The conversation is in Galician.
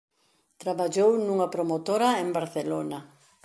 Traballou nunha promotora en Barcelona.